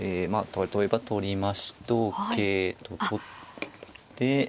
例えば取りまし同桂と取って。